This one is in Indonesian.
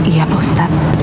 iya pak ustadz